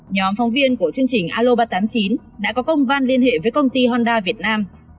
nhóm phóng viên của chương trình aloba tám mươi chín đã có công văn liên hệ với công ty honda việt nam